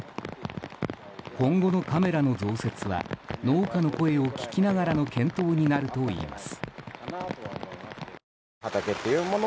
今後のカメラの増設は農家の声を聞きながらの検討になるといいます。